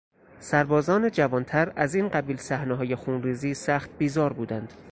سربازان جوانتر از این قبیل صحنههای خونریزی سخت بیزار بودند.